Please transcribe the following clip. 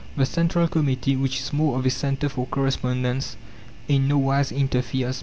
The Central Committee, which is more of a centre for correspondence, in no wise interferes.